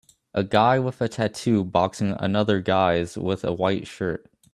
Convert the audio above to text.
A guy with a tattoo boxing another guys with a white shirt